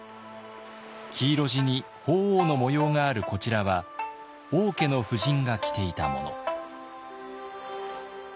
黄色地に鳳凰の模様があるこちらは王家の婦人が着ていたもの。